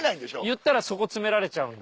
言ったらそこ詰められちゃうんで。